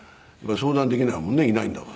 相談できないもんねいないんだから。